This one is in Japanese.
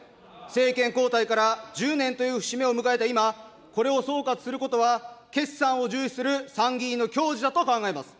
政権交代から１０年という節目を迎えた今、これを総括することは決算を重視する参議院の矜持だと考えます。